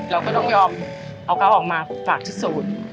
เราก็ต้องยอมเอาเขาออกมาฝากพิสูจน์